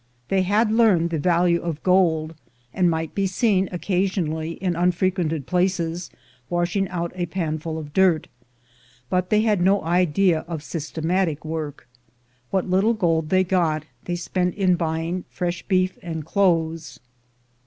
They had learned the value of gold, and might be seen occasionally in unfrequented places washing out a panful of dirt, but they had no idea of systematic work. What little gold they got, they spent in buying fresh beef and clothes.